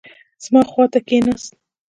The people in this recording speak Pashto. زما خوا ته کښېناست.